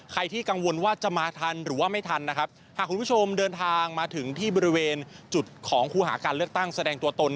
ใครที่กังวลว่าจะมาทันหรือว่าไม่ทันนะครับหากคุณผู้ชมเดินทางมาถึงที่บริเวณจุดของคู่หาการเลือกตั้งแสดงตัวตน